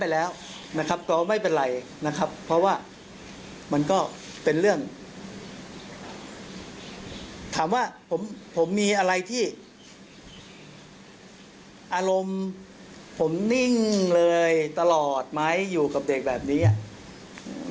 อารมณ์ผมนิ่งเลยตลอดมั้ยอยู่กับเด็กแบบนี้นะ